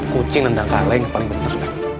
kucing nendang kaleng paling bener